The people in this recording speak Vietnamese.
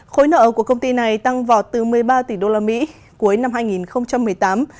khối nợ của công ty này tăng vọt từ một mươi ba tỷ usd cuối năm hai nghìn một mươi tám